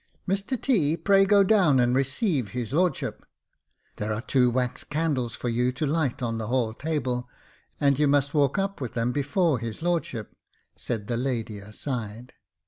" Mr T., pray go down and receive his lordship." (" There are two wax candles for you to light on the hall table, and you must walk up with them before his lord ship," said the lady aside.)